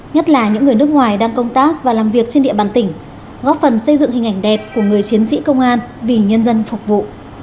nhất là những người nước ngoài đang công tác và làm việc trên địa bàn tỉnh góp phần xây dựng hình ảnh đẹp của người chiến sĩ công an vì nhân dân phục vụ